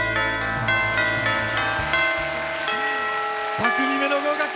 ２組目の合格。